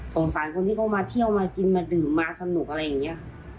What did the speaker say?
สารคนที่เขามาเที่ยวมากินมาดื่มมาสนุกอะไรอย่างนี้